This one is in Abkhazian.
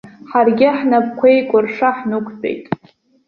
Ҳаргьы, ҳнапқәа еикәырша, ҳнықәтәеит.